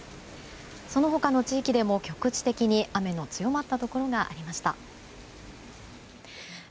その他の地域でも局地的に雨の強まったところがありました。